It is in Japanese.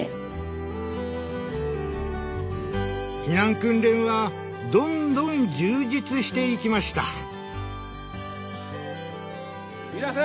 避難訓練はどんどん充実していきました。